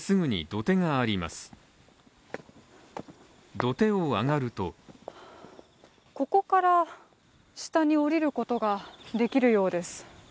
土手を上がるとここから下に降りることができるようです。